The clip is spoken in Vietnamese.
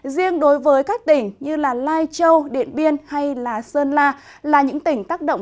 riêng đối với các tỉnh như lai châu điện biên hay sơn la là những tỉnh tác động